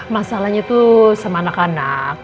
masalahnya tuh sama anak anak